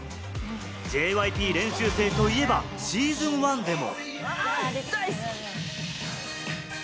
ＪＹＰ練習生といえばＳｅａｓｏｎ１でも。